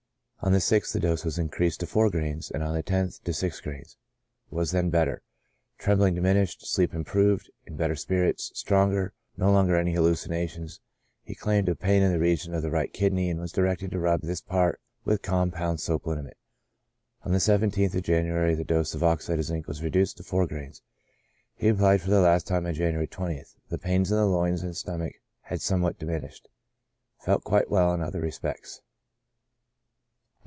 On the 6ih the dose was increased to four grains, and on the loth to six grains. Was then better: 122 CHRONIC ALCOHOLISM. trembling diminished, sleep improved, in better spirits, stronger, no longer any hallucinations: he complained of pain in the region of the right kidney, was directed to rub this part with compound soap liniment. On the 17th of January the dose of oxide of zinc was reduced to four grains. He applied for the last time on the 20th, the pains in the loins and the stomach had somewhat diminished ; felt quite well in other respects.